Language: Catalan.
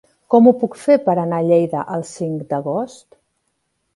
Com ho puc fer per anar a Lleida el cinc d'agost?